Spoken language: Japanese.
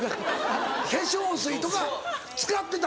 化粧水とか使ってた？